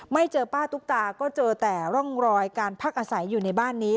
เจอป้าตุ๊กตาก็เจอแต่ร่องรอยการพักอาศัยอยู่ในบ้านนี้